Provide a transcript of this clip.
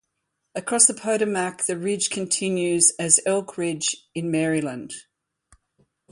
Across the Potomac the ridge continues as Elk Ridge in Maryland.